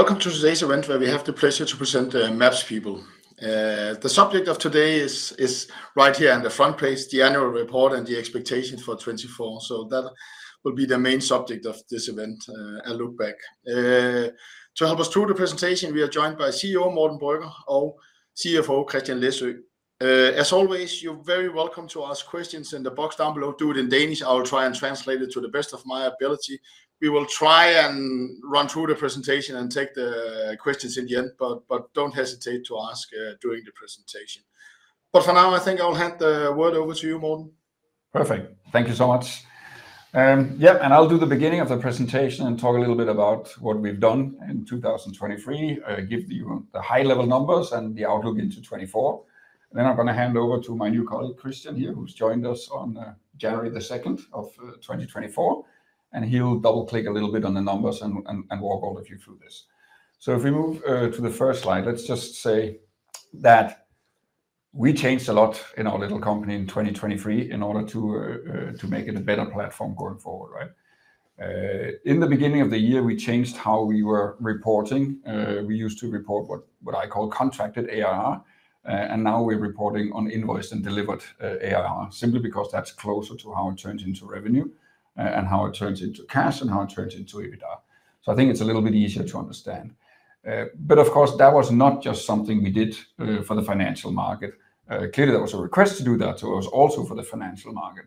Welcome to today's event, where we have the pleasure to present MapsPeople. The subject of today is right here on the front page, the annual report and the expectations for 2024. That will be the main subject of this event, and look back. To help us through the presentation, we are joined by CEO Morten Brøgger, our CFO, Christian Læsø. As always, you're very welcome to ask questions in the box down below. Do it in Danish, I'll try and translate it to the best of my ability. We will try and run through the presentation and take the questions at the end, but don't hesitate to ask during the presentation. But for now, I think I'll hand the word over to you, Morten. Perfect. Thank you so much. Yeah, and I'll do the beginning of the presentation and talk a little bit about what we've done in 2023, give you the high-level numbers and the outlook into 2024. Then I'm gonna hand over to my new colleague, Christian, here, who's joined us on January the 2nd of 2024, and he'll double-click a little bit on the numbers and walk all of you through this. So if we move to the first slide, let's just say that we changed a lot in our little company in 2023 in order to make it a better platform going forward, right? In the beginning of the year, we changed how we were reporting. We used to report what, what I call contracted ARR, and now we're reporting on invoiced and delivered, ARR, simply because that's closer to how it turns into revenue, and how it turns into cash, and how it turns into EBITDA. So I think it's a little bit easier to understand. But of course, that was not just something we did, for the financial market. Clearly, there was a request to do that, so it was also for the financial market.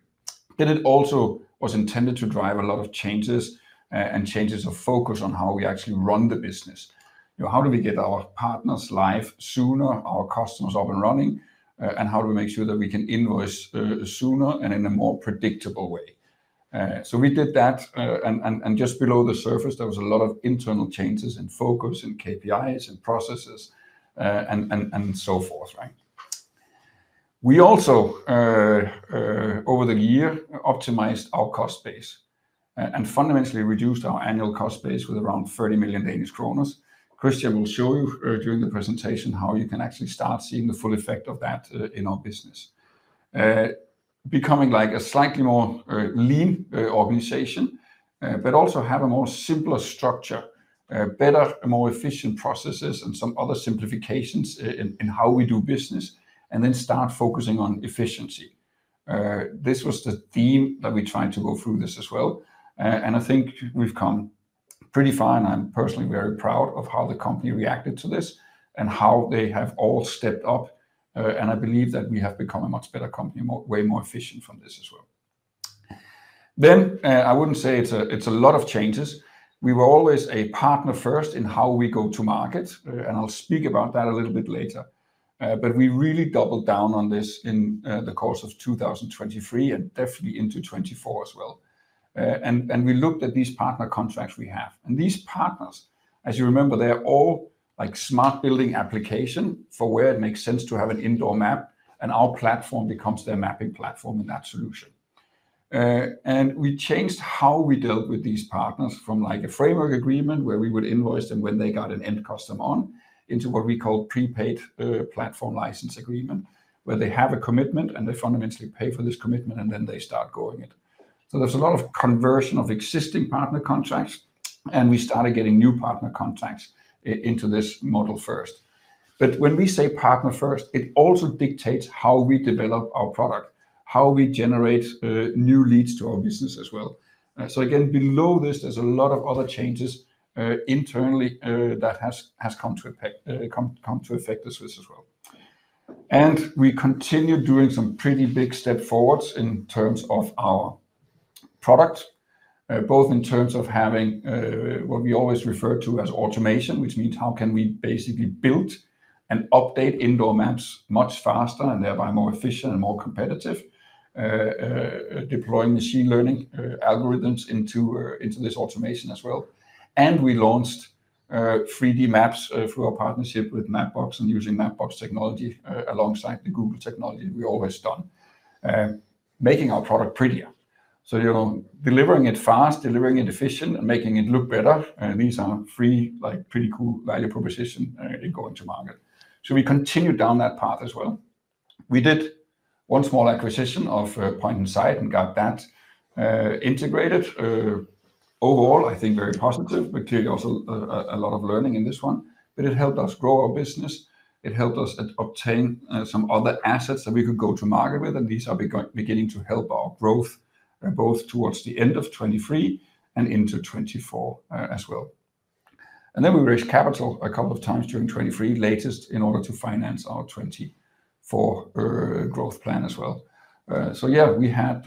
But it also was intended to drive a lot of changes, and changes of focus on how we actually run the business. You know, how do we get our partners live sooner, our customers up and running, and how do we make sure that we can invoice, sooner and in a more predictable way? So we did that, and just below the surface, there was a lot of internal changes in focus, in KPIs, in processes, and so forth, right? We also over the year, optimized our cost base, and fundamentally reduced our annual cost base with around 30 million Danish kroner. Christian will show you during the presentation, how you can actually start seeing the full effect of that in our business. Becoming like a slightly more lean organization, but also have a more simpler structure, better and more efficient processes, and some other simplifications in how we do business, and then start focusing on efficiency. This was the theme that we tried to go through this as well, and I think we've come pretty fine. I'm personally very proud of how the company reacted to this, and how they have all stepped up, and I believe that we have become a much better company, way more efficient from this as well. Then, I wouldn't say it's a lot of changes. We were always a partner first in how we go to market, and I'll speak about that a little bit later. But we really doubled down on this in the course of 2023, and definitely into 2024 as well. And we looked at these partner contracts we have, and these partners, as you remember, they are all like smart building applications for where it makes sense to have an indoor map, and our platform becomes their mapping platform in that solution. We changed how we dealt with these partners from, like, a Framework Agreement, where we would invoice them when they got an end customer on, into what we call Prepaid Platform License Agreement, where they have a commitment, and they fundamentally pay for this commitment, and then they start going it. So there's a lot of conversion of existing partner contracts, and we started getting new partner contracts into this model first. But when we say partner first, it also dictates how we develop our product, how we generate new leads to our business as well. So again, below this, there's a lot of other changes internally that has come to effect as this as well. We continue doing some pretty big step forwards in terms of our product, both in terms of having what we always refer to as automation, which means how can we basically build and update indoor maps much faster, and thereby more efficient and more competitive, deploying machine learning algorithms into this automation as well. We launched 3D maps through our partnership with Mapbox and using Mapbox technology alongside the Google technology we've always done, making our product prettier. So, you know, delivering it fast, delivering it efficient, and making it look better, these are free, like, pretty cool value proposition in going to market. So we continued down that path as well. We did one small acquisition of Point Inside and got that integrated. Overall, I think very positive, but clearly also a lot of learning in this one. But it helped us grow our business, it helped us obtain some other assets that we could go to market with, and these are beginning to help our growth both towards the end of 2023 and into 2024 as well. And then we raised capital a couple of times during 2023, latest in order to finance our 2024 growth plan as well. So yeah, we had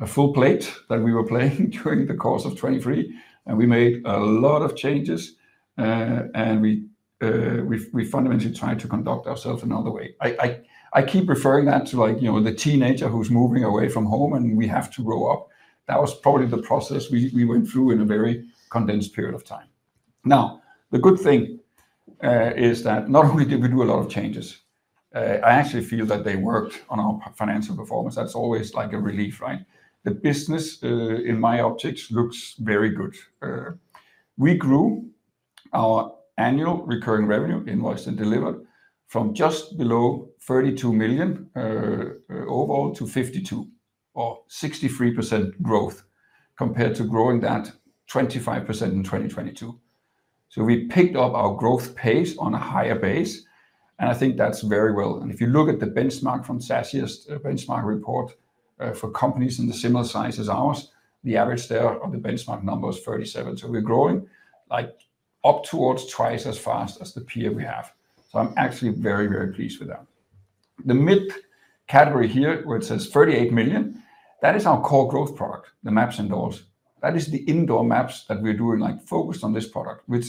a full plate that we were playing during the course of 2023, and we made a lot of changes, and we fundamentally tried to conduct ourselves another way. I keep referring that to, like, you know, the teenager who's moving away from home, and we have to grow up. That was probably the process we went through in a very condensed period of time. Now, the good thing is that not only did we do a lot of changes, I actually feel that they worked on our financial performance. That's always like a relief, right? The business in my optics looks very good. We grew our annual recurring revenue, invoiced and delivered from just below 32 million overall to 52 million, or 63% growth, compared to growing that 25% in 2022. So we picked up our growth pace on a higher base, and I think that's very well. And if you look at the benchmark from SaaSiest Benchmark Report, for companies in the similar size as ours, the average there of the benchmark number is 37. So we're growing, like, up towards twice as fast as the peer we have. So I'm actually very, very pleased with that. The mid category here, where it says 38 million, that is our core growth product, the MapsIndoors. That is the indoor maps that we're doing, like, focused on this product, which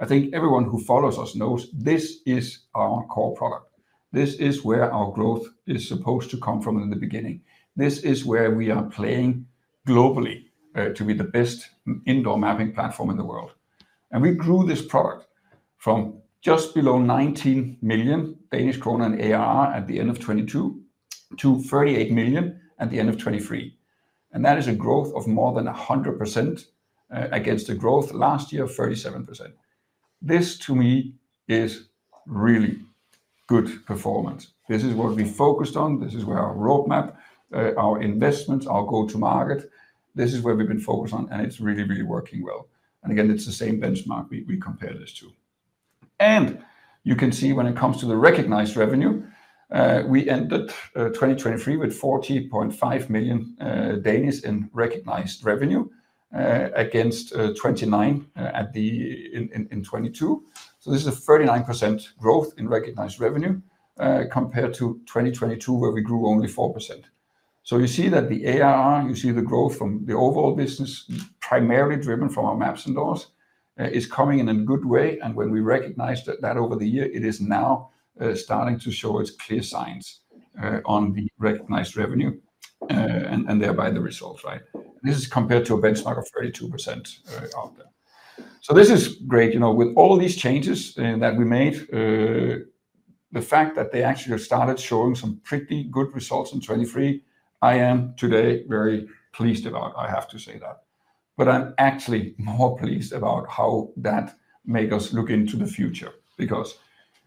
I think everyone who follows us knows this is our core product. This is where our growth is supposed to come from in the beginning. This is where we are playing globally, to be the best indoor mapping platform in the world. And we grew this product from just below 19 million Danish krone in ARR at the end of 2022, to 38 million at the end of 2023, and that is a growth of more than 100%, against the growth last year of 37%. This, to me, is really good performance. This is what we focused on. This is where our roadmap, our investments, our go-to-market, this is where we've been focused on, and it's really, really working well. And again, it's the same benchmark we compare this to. And you can see when it comes to the recognized revenue, we ended 2023 with 40.5 million in recognized revenue, against 29 million in 2022. So this is a 39% growth in recognized revenue, compared to 2022, where we grew only 4%. So you see that the ARR, you see the growth from the overall business, primarily driven from our MapsIndoors, is coming in a good way, and when we recognize that over the year, it is now starting to show its clear signs on the recognized revenue, and thereby the results, right? This is compared to a benchmark of 32%, out there. So this is great. You know, with all of these changes that we made, the fact that they actually have started showing some pretty good results in 2023, I am today very pleased about, I have to say that. But I'm actually more pleased about how that make us look into the future, because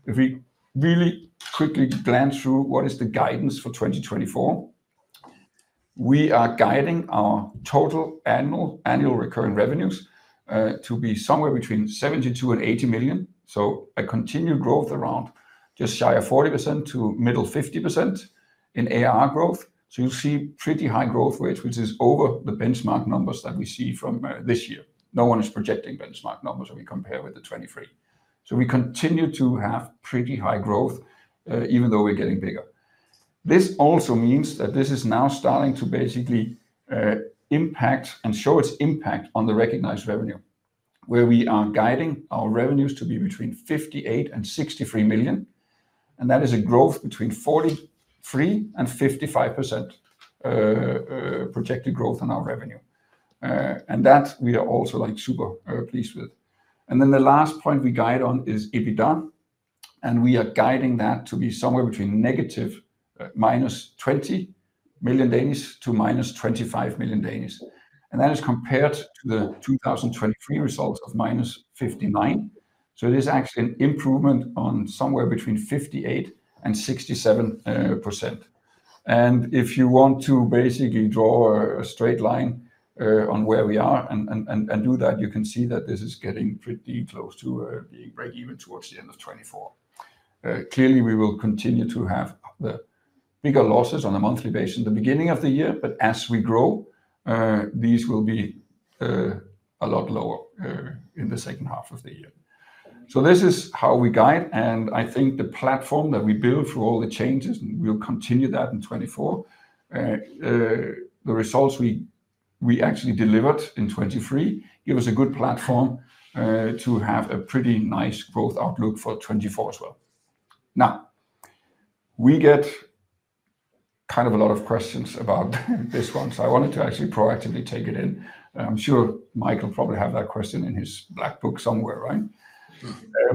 if we really quickly glance through what is the guidance for 2024, we are guiding our total annual, annual recurring revenues to be somewhere between 72 million and 80 million. So a continued growth around just shy of 40% to middle 50% in ARR growth. So you'll see pretty high growth rates, which is over the benchmark numbers that we see from this year. No one is projecting benchmark numbers when we compare with the 2023. So we continue to have pretty high growth, even though we're getting bigger. This also means that this is now starting to basically impact and show its impact on the recognized revenue, where we are guiding our revenues to be between 58 million and 63 million, and that is a growth between 43% and 55%, projected growth on our revenue. And that we are also, like, super pleased with. And then the last point we guide on is EBITDA, and we are guiding that to be somewhere between negative -20 million to -25 million, and that is compared to the 2023 results of -59. So it is actually an improvement on somewhere between 58% and 67%, percent. If you want to basically draw a straight line on where we are and do that, you can see that this is getting pretty close to being break even towards the end of 2024. Clearly, we will continue to have the bigger losses on a monthly basis in the beginning of the year, but as we grow, these will be a lot lower in the second half of the year. So this is how we guide, and I think the platform that we built through all the changes, and we'll continue that in 2024. The results we actually delivered in 2023 give us a good platform to have a pretty nice growth outlook for 2024 as well. Now, we get kind of a lot of questions about this one, so I wanted to actually proactively take it in. I'm sure Mike will probably have that question in his black book somewhere, right?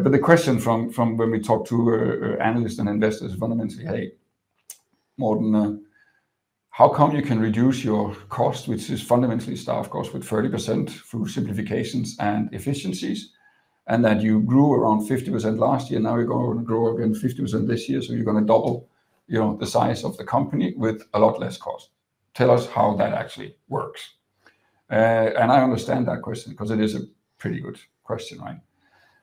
But the question from, from when we talk to analysts and investors fundamentally, "Hey, Morten, how come you can reduce your cost, which is fundamentally staff cost, with 30% through simplifications and efficiencies, and that you grew around 50% last year, now you're going to grow again 50% this year, so you're going to double, you know, the size of the company with a lot less cost? Tell us how that actually works." And I understand that question, because it is a pretty good question, right?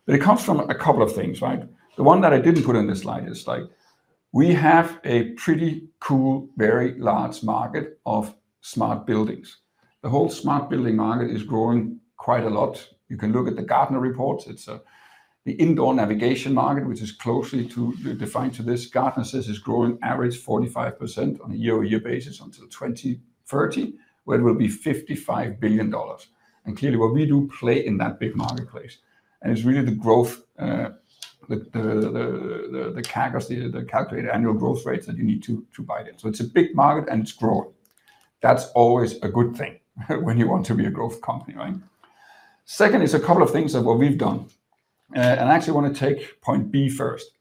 But it comes from a couple of things, right? The one that I didn't put in this slide is, like, we have a pretty cool, very large market of smart buildings. The whole smart building market is growing quite a lot. You can look at the Gartner reports. It's the indoor navigation market, which is closely to defined to this. Gartner says it's growing average 45% on a year-over-year basis until 2030, where it will be $55 billion. And clearly, what we do play in that big marketplace, and it's really the growth, the CAGR, the calculated annual growth rates, that you need to buy it in. So it's a big market, and it's growing. That's always a good thing when you want to be a growth company, right? Second is a couple of things that what we've done, and I actually want to take point B first.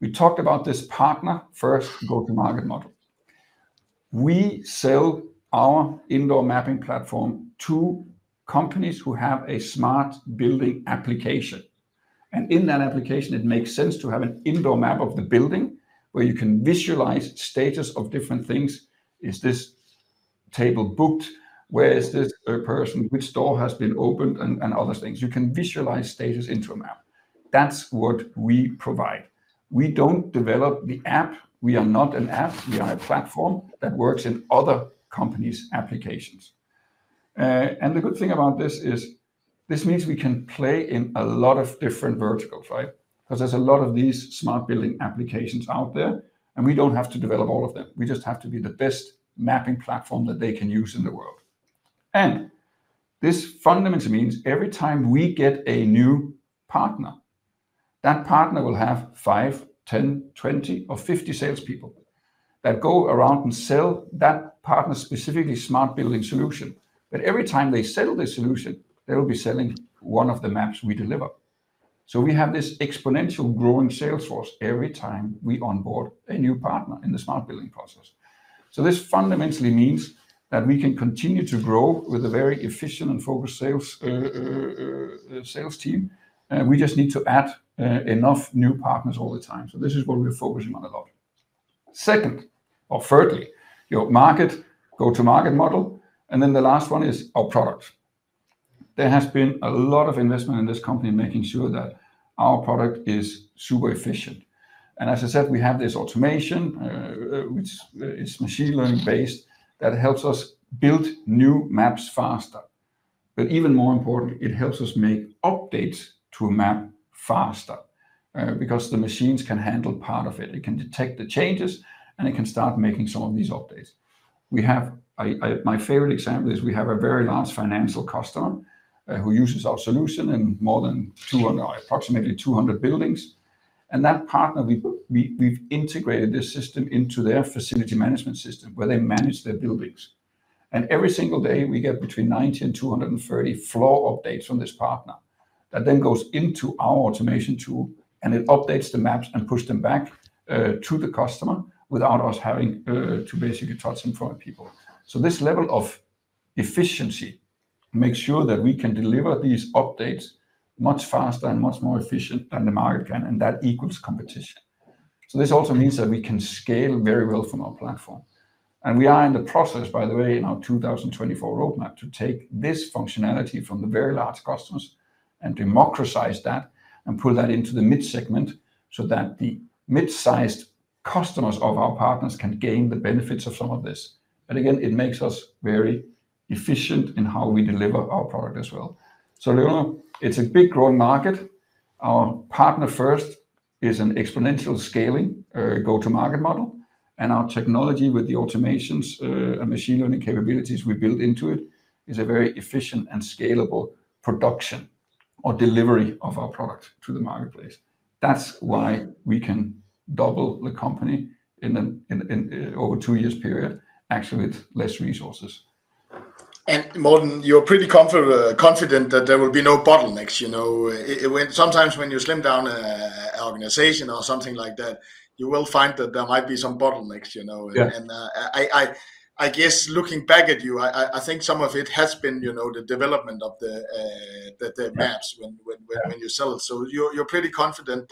We talked about this partner-first go-to-market model.... We sell our indoor mapping platform to companies who have a smart building application, and in that application, it makes sense to have an indoor map of the building where you can visualize status of different things. Is this table booked? Where is this person? Which door has been opened? And other things. You can visualize status into a map. That's what we provide. We don't develop the app. We are not an app. We are a platform that works in other companies' applications. And the good thing about this is, this means we can play in a lot of different verticals, right? 'Cause there's a lot of these smart building applications out there, and we don't have to develop all of them. We just have to be the best mapping platform that they can use in the world. This fundamentally means every time we get a new partner, that partner will have five, 10, 20, or 50 salespeople that go around and sell that partner specifically smart building solution. But every time they sell the solution, they will be selling one of the maps we deliver. So we have this exponential growing sales force every time we onboard a new partner in the smart building process. So this fundamentally means that we can continue to grow with a very efficient and focused sales team, and we just need to add enough new partners all the time. So this is what we're focusing on a lot. Second, or thirdly, your market, go-to-market model, and then the last one is our product. There has been a lot of investment in this company, making sure that our product is super efficient, and as I said, we have this automation, which is machine learning based, that helps us build new maps faster. But even more important, it helps us make updates to a map faster, because the machines can handle part of it. It can detect the changes, and it can start making some of these updates. We have. My favorite example is we have a very large financial customer, who uses our solution in more than 200, approximately 200 buildings, and that partner, we've integrated this system into their facility management system, where they manage their buildings. And every single day, we get between 90 and 230 floor updates from this partner. That then goes into our automation tool, and it updates the maps and push them back to the customer without us having to basically touch in front of people. So this level of efficiency makes sure that we can deliver these updates much faster and much more efficient than the market can, and that equals competition. So this also means that we can scale very well from our platform, and we are in the process, by the way, in our 2024 roadmap, to take this functionality from the very large customers and democratize that, and put that into the mid segment, so that the mid-sized customers of our partners can gain the benefits of some of this. But again, it makes us very efficient in how we deliver our product as well. So it's a big growing market. Our partner first is an exponential scaling, go-to-market model, and our technology with the automations, and machine learning capabilities we built into it, is a very efficient and scalable production or delivery of our product to the marketplace. That's why we can double the company in over two years period, actually with less resources. Morten, you're pretty confident that there will be no bottlenecks, you know? Sometimes when you slim down an organization or something like that, you will find that there might be some bottlenecks, you know? Yeah. I guess looking back at you, I think some of it has been, you know, the development of the maps- Yeah... when you sell it. So you're pretty confident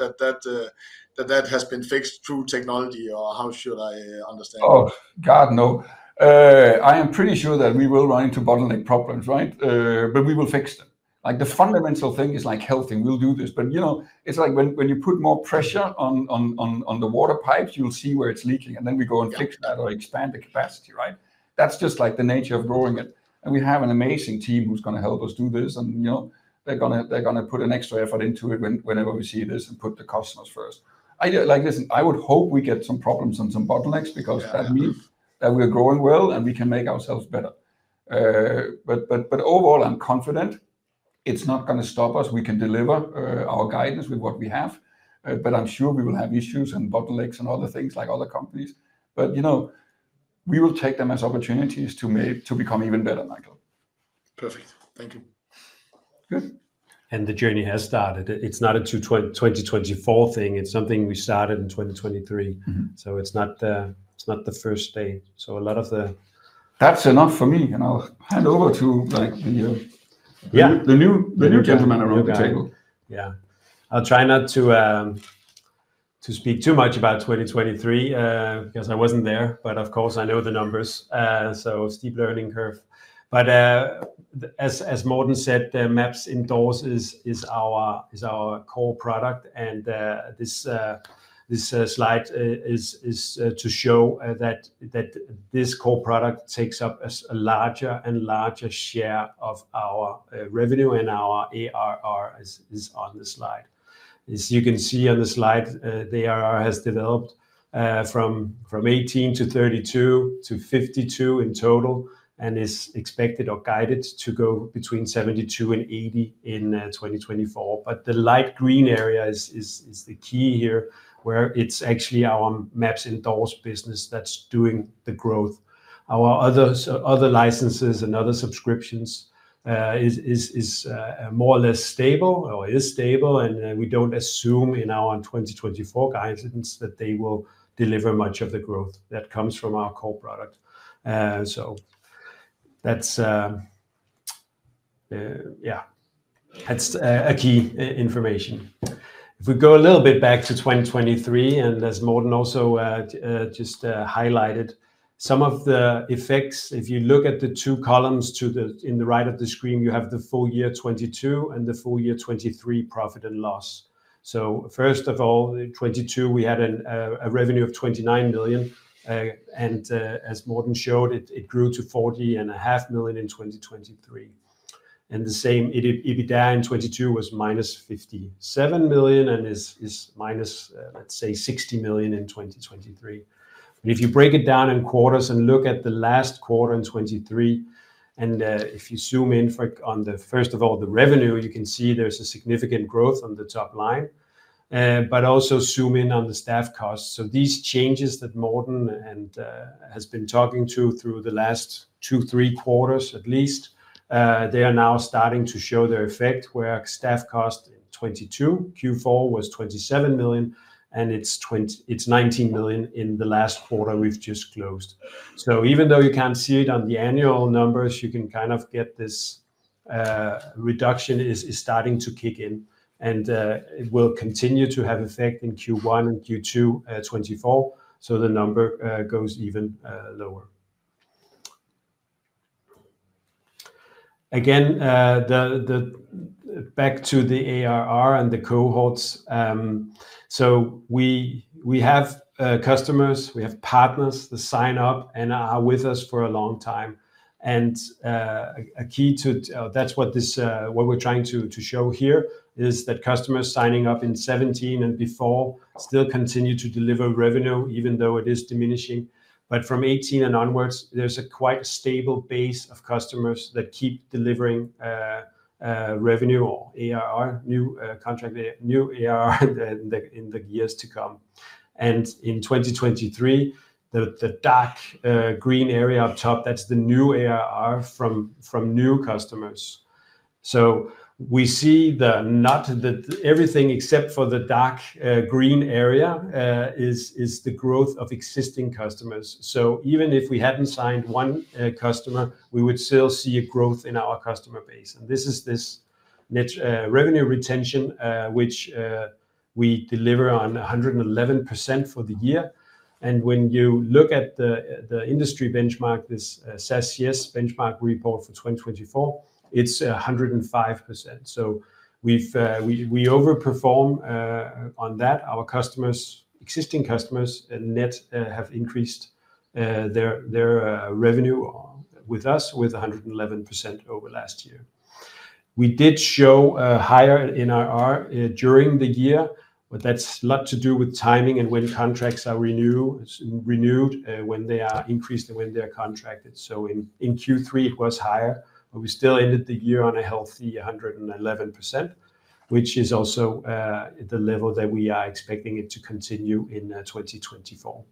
that that has been fixed through technology, or how should I understand that? Oh, God, no. I am pretty sure that we will run into bottleneck problems, right? But we will fix them. Like, the fundamental thing is, like, healthy, we'll do this. But, you know, it's like when you put more pressure on the water pipes, you'll see where it's leaking, and then we go and fix that- Yeah... or expand the capacity, right? That's just, like, the nature of growing it, and we have an amazing team who's gonna help us do this and, you know, they're gonna- they're gonna put an extra effort into it when- whenever we see this and put the customers first. I, like, listen, I would hope we get some problems and some bottlenecks, because- Yeah... that means that we are growing well, and we can make ourselves better. But overall, I'm confident it's not gonna stop us. We can deliver our guidance with what we have. But I'm sure we will have issues and bottlenecks and other things like other companies, but, you know, we will take them as opportunities to make to become even better, Michael. Perfect. Thank you. Good. The journey has started. It's not a 2024 thing, it's something we started in 2023. So it's not the first day. So a lot of the- That's enough for me, and I'll hand over to, like, the- Yeah... the new gentleman around the table. New guy. Yeah. I'll try not to speak too much about 2023, because I wasn't there, but of course, I know the numbers. So steep learning curve. But as Morten said, the MapsIndoors is our core product, and this slide is to show that this core product takes up a larger and larger share of our revenue and our ARR, as is on the slide. As you can see on the slide, the ARR has developed from 18-32-DKK 52 in total, and is expected or guided to go between 72 and 80 in 2024. But the light green area is the key here, where it's actually our MapsIndoors business that's doing the growth. Our other licenses and other subscriptions-... Is more or less stable, or is stable, and we don't assume in our 2024 guidance that they will deliver much of the growth that comes from our core product. So that's a key information. If we go a little bit back to 2023, and as Morten also highlighted, some of the effects, if you look at the two columns to the right of the screen, you have the full year 2022 and the full year 2023 profit and loss. So first of all, in 2022, we had a revenue of 29 million, and as Morten showed, it grew to 40.5 million in 2023. And the same, EBITDA in 2022 was -57 million, and is minus, let's say, 60 million in 2023. But if you break it down in quarters and look at the last quarter in 2023, and if you zoom in on the first of all, the revenue, you can see there's a significant growth on the top line. But also zoom in on the staff costs. So these changes that Morten and has been talking to through the last two, three quarters at least, they are now starting to show their effect, where staff cost in 2022, Q4, was 27 million, and it's 19 million in the last quarter we've just closed. So even though you can't see it on the annual numbers, you can kind of get this reduction is starting to kick in, and it will continue to have effect in Q1 and Q2 2024, so the number goes even lower. Again, back to the ARR and the cohorts. So we have customers, we have partners that sign up and are with us for a long time, and a key to that's what this what we're trying to show here is that customers signing up in 2017 and before still continue to deliver revenue, even though it is diminishing. But from 2018 and onwards, there's a quite stable base of customers that keep delivering revenue or ARR, new contract new ARR in the years to come. And in 2023, the dark green area up top, that's the new ARR from new customers. So we see the not the... Everything except for the dark green area is the growth of existing customers. So even if we hadn't signed one customer, we would still see a growth in our customer base, and this is the net revenue retention, which we deliver on 111% for the year. And when you look at the industry benchmark, this SaaSiest Benchmark Report for 2024, it's 105%. So we overperform on that. Our existing customers on net have increased their revenue with us with 111% over last year. We did show a higher NRR during the year, but that's a lot to do with timing and when contracts are renewed when they are increased and when they are contracted. So in Q3, it was higher, but we still ended the year on a healthy 111%, which is also the level that we are expecting it to continue in 2024.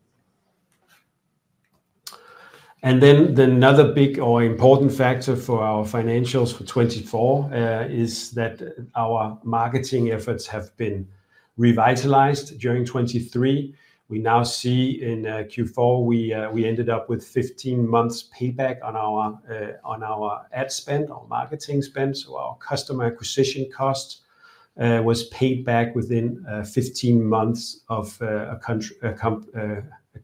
And then another big or important factor for our financials for 2024 is that our marketing efforts have been revitalized during 2023. We now see in Q4 we ended up with 15 months payback on our ad spend, on marketing spend. So our customer acquisition cost was paid back within 15 months of a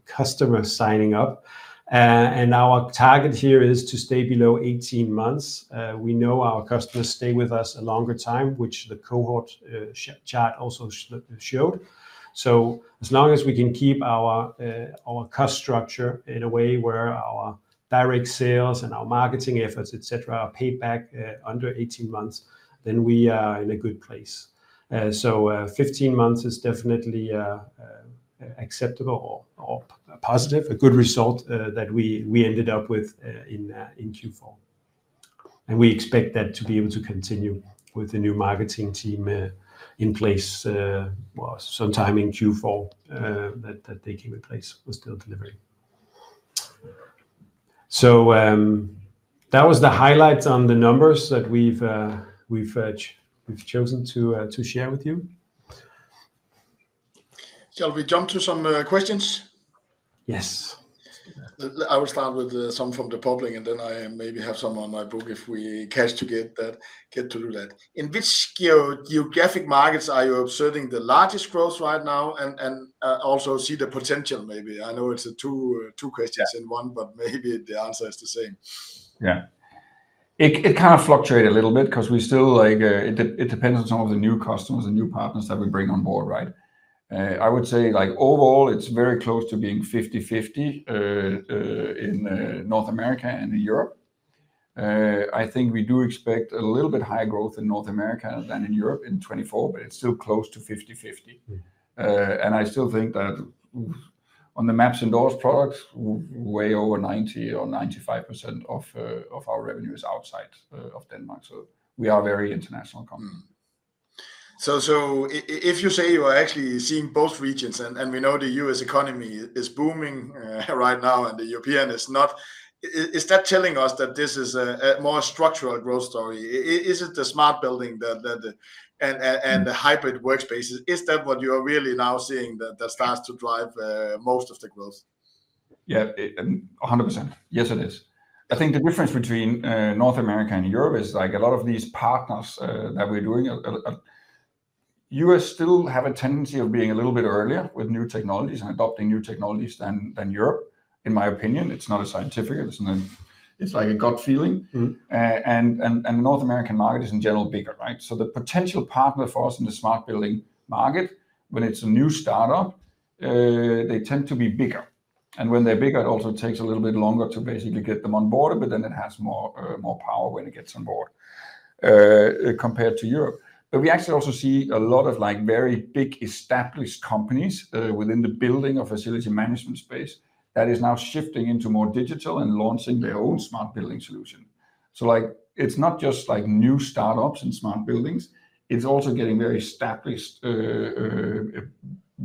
customer signing up. And our target here is to stay below 18 months. We know our customers stay with us a longer time, which the cohort chart also showed. So as long as we can keep our cost structure in a way where our direct sales and our marketing efforts, et cetera, are paid back under 18 months, then we are in a good place. So, 15 months is definitely acceptable or positive, a good result that we ended up with in Q4. And we expect that to be able to continue with the new marketing team in place, well, sometime in Q4, that they came in place. We're still delivering. So, that was the highlights on the numbers that we've chosen to share with you. Shall we jump to some questions? Yes. I will start with some from the public, and then I maybe have some on my book if we manage to get that, get to do that. In which geographic markets are you observing the largest growth right now and also see the potential maybe? I know it's two questions- Yeah... in one, but maybe the answer is the same. Yeah. It kind of fluctuate a little bit 'cause it depends on some of the new customers and new partners that we bring on board, right? I would say, like, overall, it's very close to being 50/50 in North America and in Europe. I think we do expect a little bit higher growth in North America than in Europe in 2024, but it's still close to 50/50. I still think that on the MapsIndoors products, way over 90% or 95% of our revenue is outside of Denmark, so we are a very international company. So, if you say you are actually seeing both regions, and we know the US economy is booming right now, and the European is not, is that telling us that this is a more structural growth story? Is it the smart building and the hybrid workspaces, is that what you are really now seeing that starts to drive most of the growth? Yeah, it 100%. Yes, it is. I think the difference between North America and Europe is, like, a lot of these partners that we're doing a U.S. still have a tendency of being a little bit earlier with new technologies and adopting new technologies than Europe, in my opinion. It's not a scientific, it's like a gut feeling. North American market is, in general, bigger, right? So the potential partner for us in the smart building market, when it's a new startup, they tend to be bigger. And when they're bigger, it also takes a little bit longer to basically get them on board, but then it has more, more power when it gets on board, compared to Europe. But we actually also see a lot of, like, very big established companies, within the building or facility management space, that is now shifting into more digital and launching their own smart building solution. So, like, it's not just, like, new startups and smart buildings, it's also getting very established,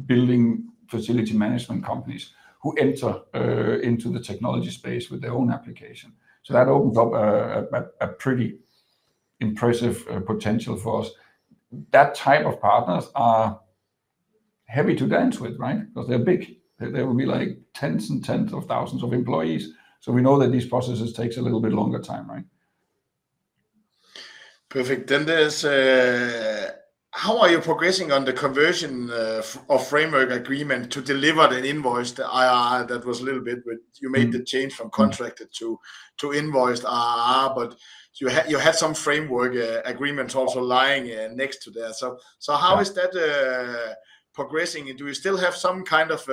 building facility management companies who enter, into the technology space with their own application. So that opens up a pretty impressive potential for us. That type of partners are heavy to dance with, right? Because they're big. They, they will be, like, tens and tens of thousands of employees, so we know that these processes takes a little bit longer time, right? Perfect. Then there's how are you progressing on the conversion of Framework Agreement to deliver the invoice, the IR? That was a little bit, but you made the change from contracted to invoiced ARR, but you had some Framework agreements also lying next to there. So how is that progressing? Do you still have some kind of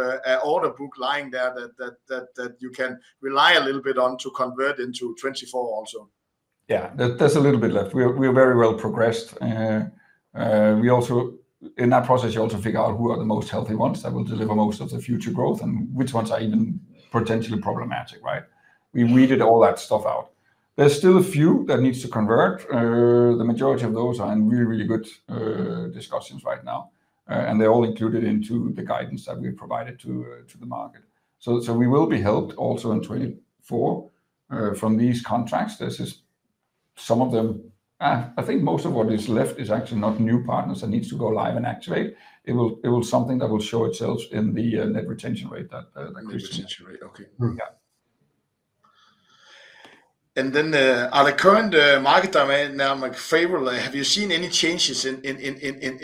order book lying there that you can rely a little bit on to convert into 2024 also? Yeah, there, there's a little bit left. We are very well progressed. We also... In that process, you also figure out who are the most healthy ones that will deliver most of the future growth, and which ones are even potentially problematic, right? We weeded all that stuff out. There's still a few that needs to convert. The majority of those are in really, really good discussions right now, and they're all included into the guidance that we provided to the market. So we will be helped also in 2024 from these contracts. This is some of them... Ah, I think most of what is left is actually not new partners that needs to go live and activate. It will something that will show itself in the net retention rate that- Retention rate. Okay. Yeah. And then, are the current market demand now, like, favorable? Have you seen any changes in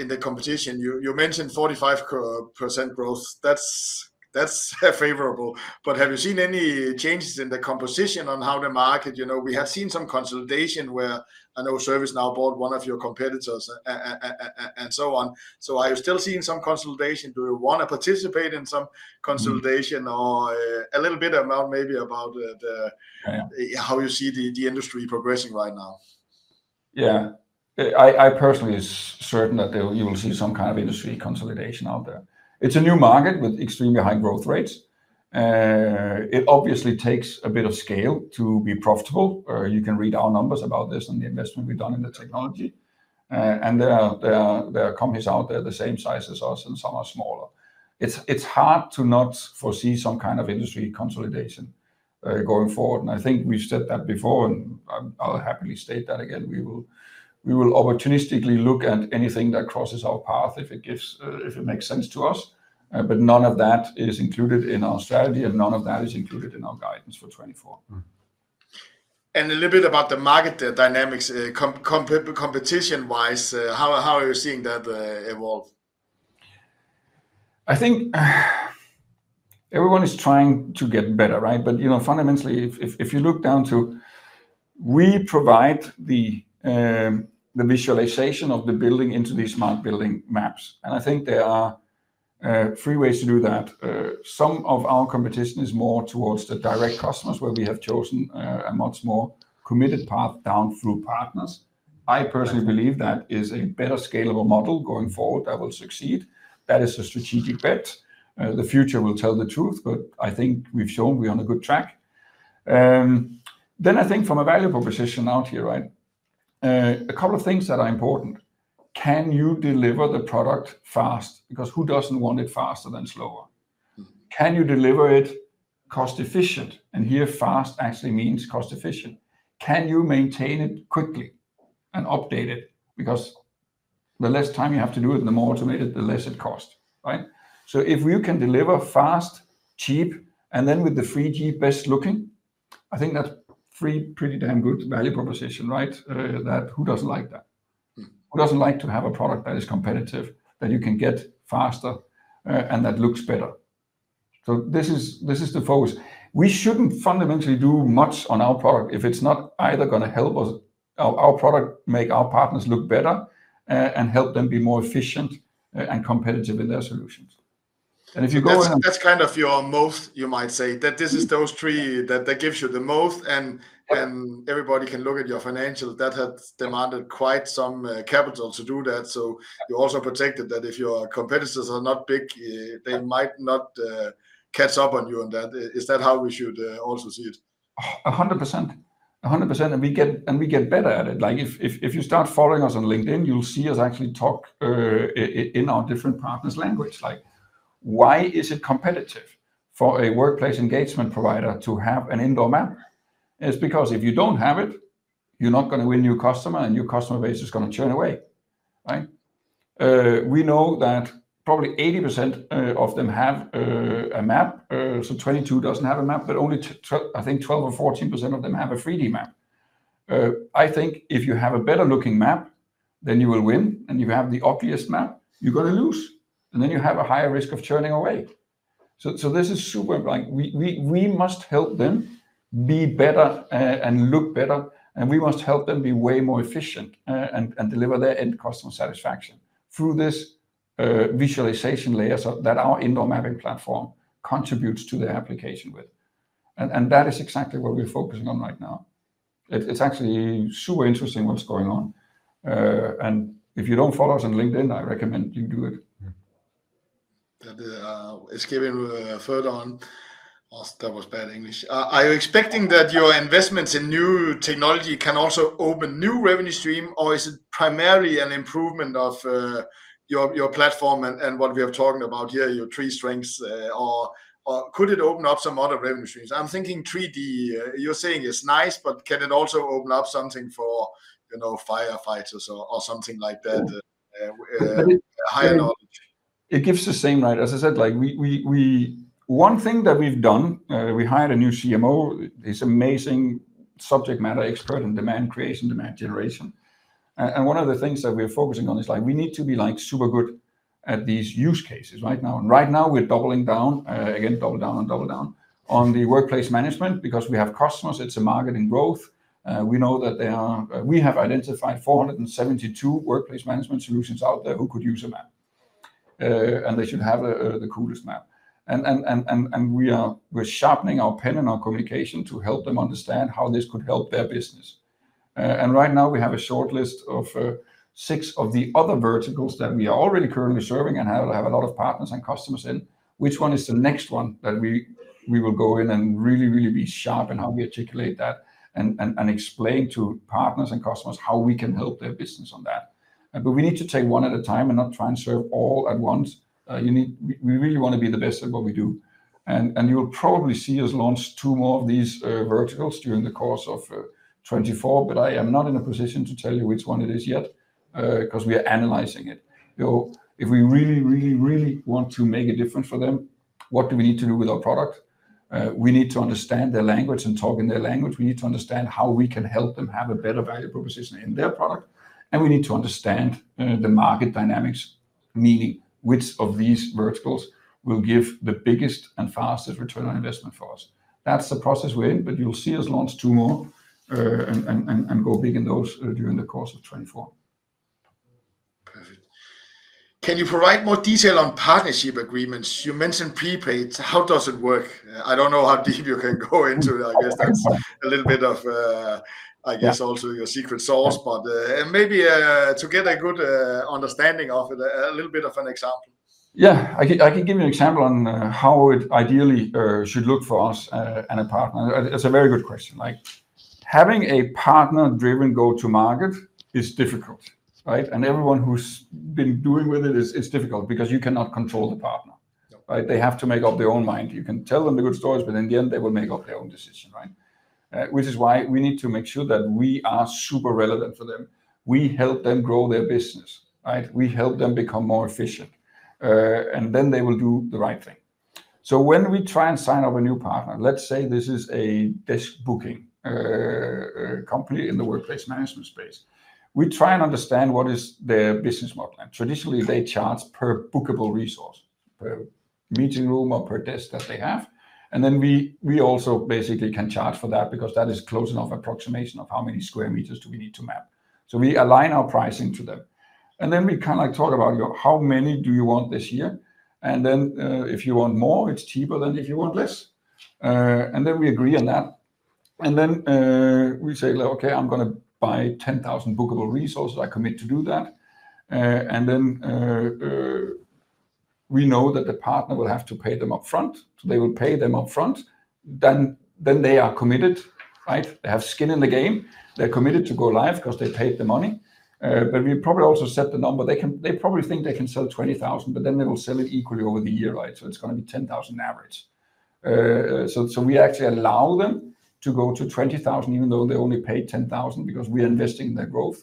the competition? You mentioned 45% growth. That's favorable, but have you seen any changes in the composition on how the market... You know, we have seen some consolidation where I know ServiceNow bought one of your competitors and so on. So are you still seeing some consolidation? Do you want to participate in some consolidation? Or a little bit about the- Yeah... how you see the industry progressing right now? Yeah. I personally is certain that you will see some kind of industry consolidation out there. It's a new market with extremely high growth rates. It obviously takes a bit of scale to be profitable, or you can read our numbers about this and the investment we've done in the technology. And there are companies out there the same size as us, and some are smaller. It's hard to not foresee some kind of industry consolidation going forward, and I think we've said that before, and I'll happily state that again. We will opportunistically look at anything that crosses our path if it makes sense to us. But none of that is included in our strategy, and none of that is included in our guidance for 2024. A little bit about the market dynamics, competition-wise, how are you seeing that evolve? I think, everyone is trying to get better, right? But, you know, fundamentally, if you look down to, we provide the, the visualization of the building into these smart building maps, and I think there are three ways to do that. Some of our competition is more towards the direct customers, where we have chosen a much more committed path down through partners. Yeah. I personally believe that is a better scalable model going forward that will succeed. That is a strategic bet. The future will tell the truth, but I think we've shown we're on a good track. Then I think from a value proposition out here, right, a couple of things that are important: Can you deliver the product fast? Because who doesn't want it faster than slower? Can you deliver it cost efficient? And here, fast actually means cost efficient. Can you maintain it quickly and update it? Because the less time you have to do it, the more automated, the less it costs, right? So if you can deliver fast, cheap, and then with the 3D best looking, I think that's three pretty damn good value proposition, right? Who doesn't like that? Who doesn't like to have a product that is competitive, that you can get faster, and that looks better? So this is, this is the focus. We shouldn't fundamentally do much on our product if it's not either gonna help us, our product, make our partners look better, and help them be more efficient and competitive in their solutions. And if you go ahead- That's kind of your most, you might say, that this is those three that gives you the most- Right ... and everybody can look at your financials, that has demanded quite some capital to do that. So you're also protected that if your competitors are not big, they might not catch up on you on that. Is that how we should also see it? 100%. 100%, and we get better at it. Like, if you start following us on LinkedIn, you'll see us actually talk in our different partners' language. Like, why is it competitive for a workplace engagement provider to have an indoor map? It's because if you don't have it, you're not gonna win new customer, and your customer base is gonna churn away, right? We know that probably 80% of them have a map. So 22% doesn't have a map, but only I think 12% or 14% of them have a 3D map. I think if you have a better-looking map, then you will win, and if you have the obvious map, you're gonna lose, and then you have a higher risk of churning away. So this is super. Like, we must help them be better, and look better, and we must help them be way more efficient, and deliver their end customer satisfaction through this visualization layer so that our indoor mapping platform contributes to their application with. And that is exactly what we're focusing on right now. It's actually super interesting what's going on. And if you don't follow us on LinkedIn, I recommend you do it. Yeah. That, expanding further on... Oh, that was bad English. Are you expecting that your investments in new technology can also open new revenue stream, or is it primarily an improvement of, your, your platform and, and what we are talking about here, your three strengths? Or, could it open up some other revenue streams? I'm thinking 3D. You're saying it's nice, but can it also open up something for, you know, firefighters or, or something like that, higher knowledge? It gives the same, right? As I said, like, one thing that we've done, we hired a new CMO, this amazing subject matter expert in demand creation, demand generation. One of the things that we are focusing on is, like, we need to be, like, super good at these use cases right now. And right now we're doubling down, again, double down and double down, on the workplace management because we have customers, it's a market in growth. We know that there are. We have identified 472 workplace management solutions out there who could use a map. And they should have the coolest map. And we are sharpening our pen and our communication to help them understand how this could help their business. And right now we have a shortlist of six of the other verticals that we are already currently serving and have a lot of partners and customers in. Which one is the next one that we will go in and really, really be sharp in how we articulate that and explain to partners and customers how we can help their business on that. But we need to take one at a time and not try and serve all at once. You need—we really want to be the best at what we do. And you'll probably see us launch two more of these verticals during the course of 2024, but I am not in a position to tell you which one it is yet, 'cause we are analyzing it. You know, if we really, really, really want to make a difference for them, what do we need to do with our product? We need to understand their language and talk in their language. We need to understand how we can help them have a better value proposition in their product, and we need to understand the market dynamics, meaning which of these verticals will give the biggest and fastest return on investment for us. That's the process we're in, but you'll see us launch two more, and, and, and go big in those during the course of 2024. Perfect. Can you provide more detail on partnership agreements? You mentioned prepaid. How does it work? I don't know how deep you can go into it. I guess that's a little bit of, I guess also your secret sauce, but... And maybe, to get a good, understanding of it, a little bit of an example. Yeah, I can, I can give you an example on, how it ideally, should look for us, and a partner. It's a very good question. Like, having a partner-driven go-to-market is difficult, right? And everyone who's been doing with it, it's, it's difficult because you cannot control the partner, right? They have to make up their own mind. You can tell them the good stories, but in the end, they will make up their own decision, right? Which is why we need to make sure that we are super relevant for them. We help them grow their business, right? We help them become more efficient, and then they will do the right thing. So when we try and sign up a new partner, let's say this is a desk booking company in the workplace management space, we try and understand what is their business model. And traditionally, they charge per bookable resource, per meeting room or per desk that they have. And then we, we also basically can charge for that because that is close enough approximation of how many square meters do we need to map. So we align our pricing to them. And then we kind of like talk about, "How many do you want this year? And then, if you want more, it's cheaper than if you want less." And then we agree on that. And then, we say, "Look, okay, I'm gonna buy 10,000 bookable resources. I commit to do that." And then, we know that the partner will have to pay them upfront. So they will pay them upfront, then, then they are committed, right? They have skin in the game. They're committed to go live 'cause they paid the money. But we probably also set the number. They can-- They probably think they can sell 20,000, but then they will sell it equally over the year, right? So it's gonna be 10,000 average. So, so we actually allow them to go to 20,000, even though they only paid 10,000, because we are investing in their growth.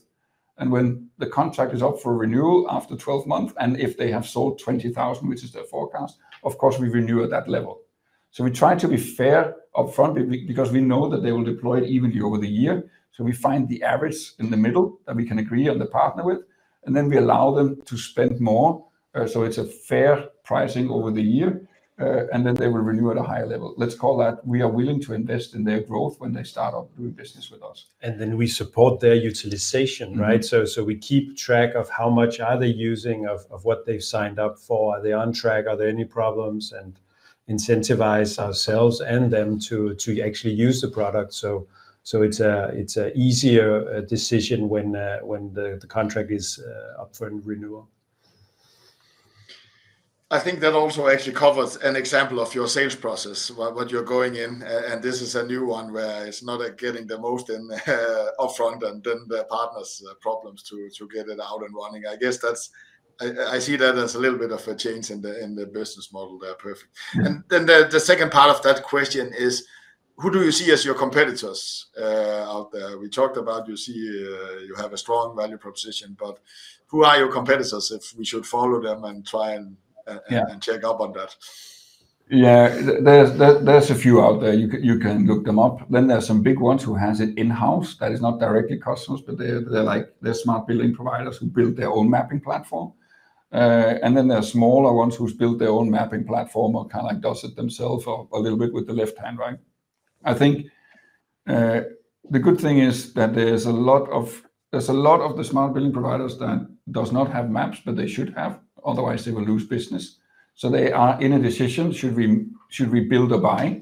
And when the contract is up for renewal after 12 months, and if they have sold 20,000, which is their forecast, of course, we renew at that level. We try to be fair upfront because we know that they will deploy it evenly over the year. We find the average in the middle that we can agree on the partner with, and then we allow them to spend more, so it's a fair pricing over the year, and then they will renew at a higher level. Let's call that we are willing to invest in their growth when they start off doing business with us. And then we support their utilization, right? So we keep track of how much are they using of what they've signed up for. Are they on track? Are there any problems? And incentivize ourselves and them to actually use the product. So it's an easier decision when the contract is up for renewal. I think that also actually covers an example of your sales process, what you're going in, and this is a new one, where it's not getting the most in upfront, and then the partners problems to get it out and running. I guess that's. I see that as a little bit of a change in the business model there. Perfect. Yeah. Then the second part of that question is: who do you see as your competitors out there? We talked about, you see, you have a strong value proposition, but who are your competitors, if we should follow them and try and a- Yeah... and check up on that? Yeah, there's a few out there. You can look them up. Then there are some big ones who has it in-house, that is not directly customers, but they're like they're smart building providers who build their own mapping platform. And then there are smaller ones who's built their own mapping platform or kind of like does it themselves or a little bit with the left hand, right? I think the good thing is that there's a lot of the smart building providers that does not have maps, but they should have, otherwise they will lose business. So they are in a decision, should we build or buy?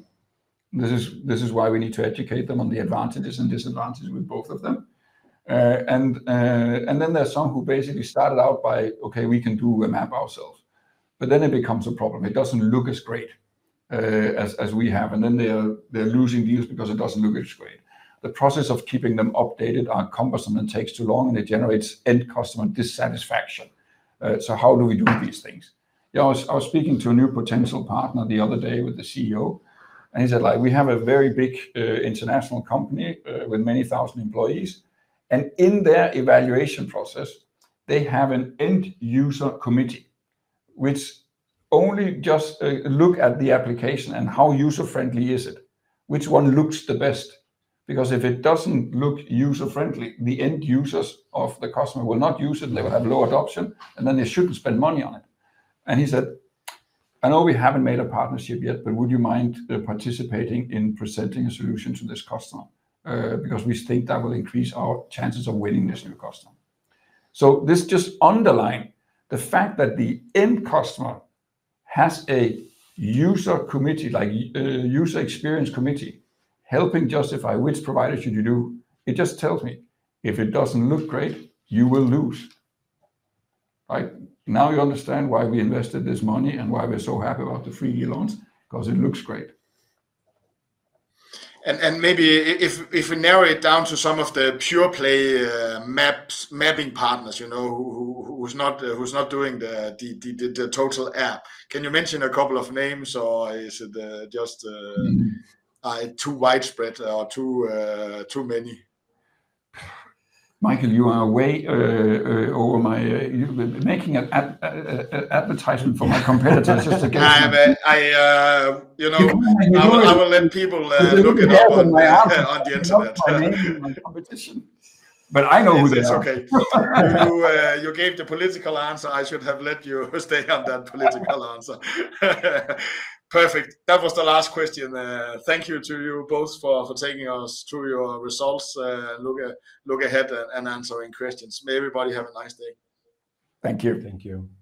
This is why we need to educate them on the advantages and disadvantages with both of them. And then there are some who basically started out by, "Okay, we can do a map ourselves," but then it becomes a problem. It doesn't look as great as we have, and then they're losing deals because it doesn't look as great. The process of keeping them updated are cumbersome and takes too long, and it generates end customer dissatisfaction. So how do we do these things? You know, I was speaking to a new potential partner the other day with the CEO, and he said, like, "We have a very big international company with many thousand employees, and in their evaluation process, they have an end user committee, which only just look at the application and how user-friendly is it, which one looks the best? Because if it doesn't look user-friendly, the end users of the customer will not use it, and they will have low adoption, and then they shouldn't spend money on it." And he said, "I know we haven't made a partnership yet, but would you mind participating in presenting a solution to this customer? Because we think that will increase our chances of winning this new customer." So this just underlines the fact that the end customer has a user committee, like a user experience committee, helping justify which provider should you do. It just tells me, if it doesn't look great, you will lose. Right? Now you understand why we invested this money and why we're so happy about the three-year loans, 'cause it looks great. Maybe if we narrow it down to some of the pure play mapping partners, you know, who's not doing the total app. Can you mention a couple of names, or is it just..... too widespread or too, too many? Michael, you are way over my... You've been making an advertisement for my competitors just again. you know- You are making it easy.... I will, I will let people look it up- You are helping my app-... on the internet. by naming my competition. But I know who they are. It's okay. You, you gave the political answer. I should have let you stay on that political answer. Perfect. That was the last question. Thank you to you both for taking us through your results, look ahead, and answering questions. May everybody have a nice day. Thank you. Thank you.